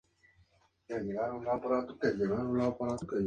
Hay un gran monumento a Dezhniov en la costa.